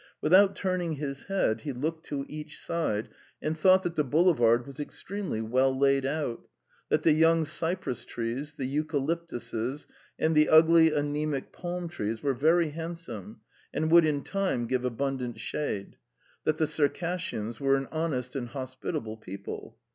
Without turning his head, he looked to each side and thought that the boulevard was extremely well laid out; that the young cypress trees, the eucalyptuses, and the ugly, anemic palm trees were very handsome and would in time give abundant shade; that the Circassians were an honest and hospitable people.